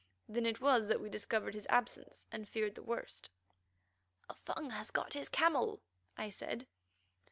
Then it was that we discovered his absence and feared the worst. "A Fung has got his camel," I said.